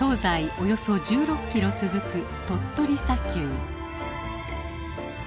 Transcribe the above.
およそ１６キロ続く鳥取砂丘。